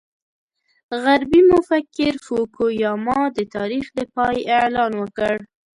غربي مفکر فوکو یاما د تاریخ د پای اعلان وکړ.